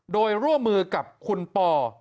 โดยร่วมมือกับคุณปอ